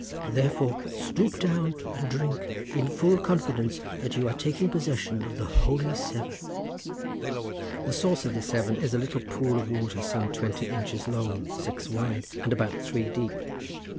Therefore stoop down and drink, in full confidence that you are taking possession of the Holy Severn." The source of the Severn is a little pool of water some twenty inches long, six wide, and about three deep.